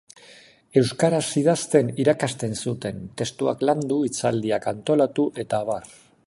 Euskaraz idazten irakasten zuten, testuak landu, hitzaldiak antolatu, eta abar.